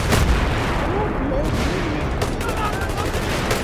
Eble, mi ne scias.